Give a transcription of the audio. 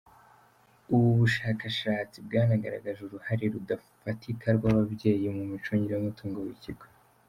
Ubu bushakashatsi bwanagaragaje uruhare rudafatika rw’ababyeyi mu micungire y’umutungo w’ikigo.